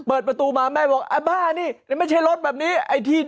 เปิดประตูมาแม่บอกอาบ้านี่ไม่ใช่รถแบบนี้ไอ้ที่